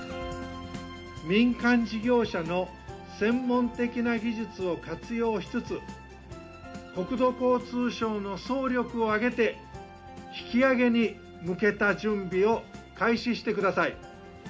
民間事業者の専門的な技術を活用しつつ、国土交通省の総力を挙げて、引き揚げに向けた準備を開始してください。